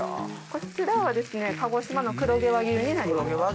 こちらはですね鹿児島の黒毛和牛になります。